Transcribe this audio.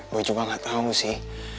bu juga gak tau sih